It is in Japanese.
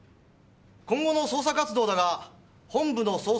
今後の捜査活動だが本部の捜査員は解散。